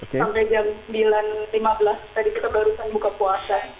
dari jam tiga subuh sampai jam sembilan lima belas tadi kita barusan buka puasa